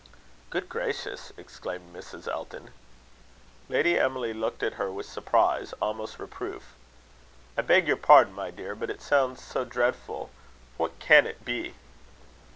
"Good gracious!" exclaimed Mrs. Elton. Lady Emily looked at her with surprise almost reproof. "I beg your pardon, my dear; but it sounds so dreadful. What can it be?"